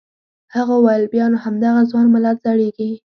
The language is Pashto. هغه وویل بیا نو همدغه ځوان ملت زړیږي.